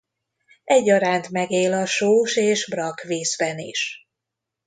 Egyaránt megél a sós- és brakkvízben is.